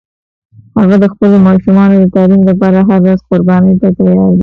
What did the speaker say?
هغه د خپلو ماشومانو د تعلیم لپاره هر راز قربانی ته تیار ده